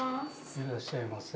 いらっしゃいませ。